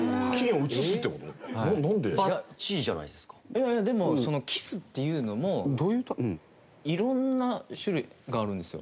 いやいやでもそのキスっていうのも色んな種類があるんですよ。